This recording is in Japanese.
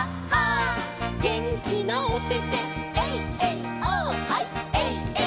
「げんきなおててエイエイオーッ」「ハイ」「」